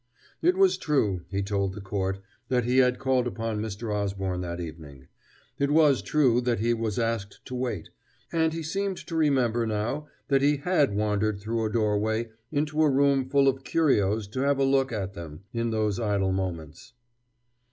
It was true, he told the court, that he had called upon Mr. Osborne that evening; it was true that he was asked to wait; and he seemed to remember now that he had wandered through a doorway into a room full of curios to have a look at them in those idle moments.